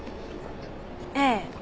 ええ。